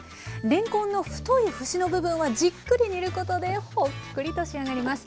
れんこんの太い節の部分はじっくり煮ることでホックリと仕上がります。